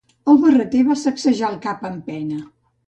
El barreter va sacsejar el cap amb pena.